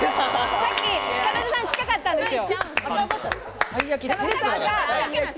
かなでさん、近かったんですよ。